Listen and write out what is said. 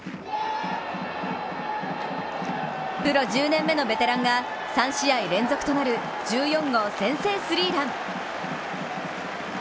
プロ１０年目のベテランが、３試合連続となる１４号先制スリーラン。